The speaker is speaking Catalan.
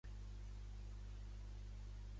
Té un lleuger sabor de nata.